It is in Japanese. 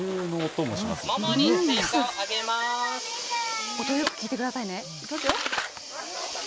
音、よく聞いてくださいね。